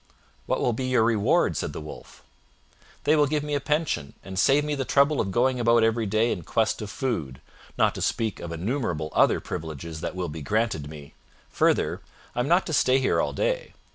"What will be your reward?" said the Wolf. "They will give me a pension, and save me the trouble of going about every day in quest of food, not to speak of innumerable other privileges that will be granted me. Further, I am not to stay here all day.